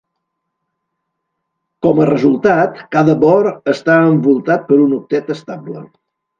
Com a resultat, cada bor està envoltat per un octet estable.